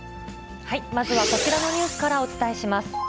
まずはこちらのニュースからお伝えします。